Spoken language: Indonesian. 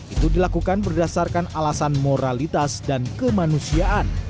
itu dilakukan berdasarkan alasan moralitas dan kemanusiaan